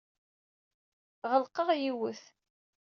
Ɣelqeɣ yiwet.